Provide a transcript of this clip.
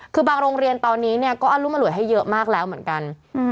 คือบางโรงเรียนตอนนี้เนี่ยก็อรุมอร่วยให้เยอะมากแล้วเหมือนกัน